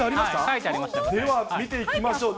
では見ていきましょう。